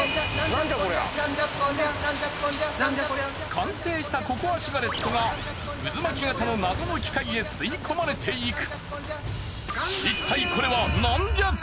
完成したココアシガレットが渦巻き型の謎の機械へ吸い込まれていく。